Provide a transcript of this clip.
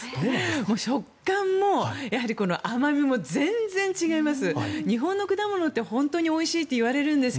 もう食感も甘味も全然違います。